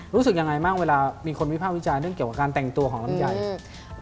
รู้สึกยังไงบ้างเวลามีคนวิภาควิจารณ์เรื่องเกี่ยวกับการแต่งตัวของลำไยอืม